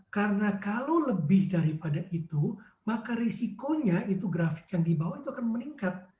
karena kalau lebih daripada itu maka risikonya itu grafik yang dibawa itu akan meningkat